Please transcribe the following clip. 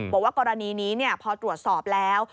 บอกว่ากรณีนี้พอตรวจสอบแล้ว